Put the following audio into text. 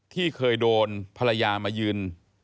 ที่เคยโดนภรรยามายืน